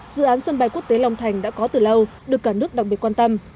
dự án sân bay quốc tế long thành đã có từ lâu được cả nước đặc biệt quan tâm